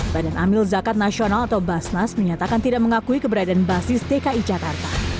badan amil zakat nasional atau basnas menyatakan tidak mengakui keberadaan basis dki jakarta